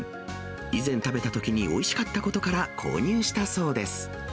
以前、食べたときにおいしかったことから購入したそうです。